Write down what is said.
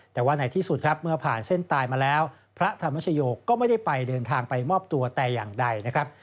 แต่ว่าในที่สุดครับเมื่อผ่านเส้นตายมาแล้วพระธรรมชโยคก็ไม่ได้ไปเดินทางไปมอบตัวแต่อย่างใดนะครับ